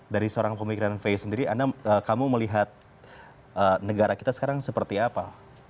dari seorang pemikiran faye sendiri kamu melihat negara kita sekarang seperti apa